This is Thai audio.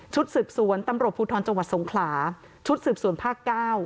สืบสวนตำรวจภูทรจังหวัดสงขลาชุดสืบสวนภาค๙